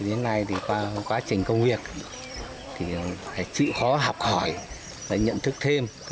đến nay qua quá trình công việc chịu khó học hỏi nhận thức thêm